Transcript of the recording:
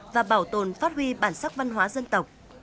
và bảo tồn phát huy bản sắc văn hóa dân tộc